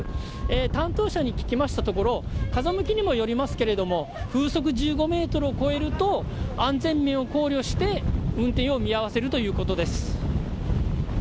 担当者に聞いたところ風向きにもよりますけど風速１５メートルを超えると安全面を考慮して運転を見合わせるということです。